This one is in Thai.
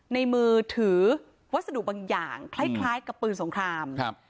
ในมือถือวัสดุบางอย่างคล้ายคล้ายกับปืนสงครามครับ